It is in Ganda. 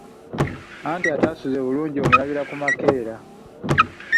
Anti atasuzze bulungi omulabira ku makeera.